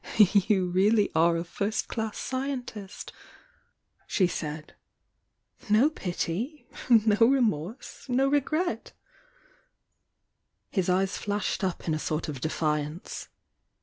"You really are a first class scientisti" she sud. "No pity— no remorse— no regret !" His eyes flashed up in a sort of defiance.